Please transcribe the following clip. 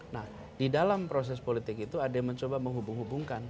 nah di dalam proses politik itu ada yang mencoba menghubung hubungkan